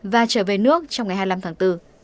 và trở về nước trong ngày hai mươi năm tháng bốn